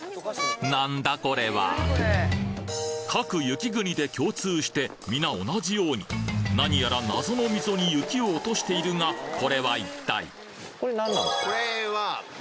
なんだこれは各雪国で共通してみな同じように何やら謎の溝に雪を落としているがこれはいったい？